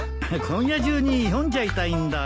今夜中に読んじゃいたいんだ。